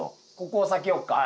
ここを避けよっか。